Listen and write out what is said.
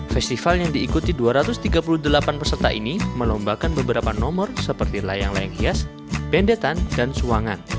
festival yang diikuti dua ratus tiga puluh delapan peserta ini melombakan beberapa nomor seperti layang layang hias bendetan dan suangan